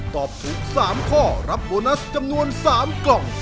ตอบถูก๓ข้อรับโบนัสจำนวน๓กล่อง